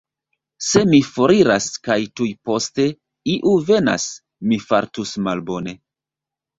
Se mi foriras kaj tuj poste iu venas, mi fartus malbone.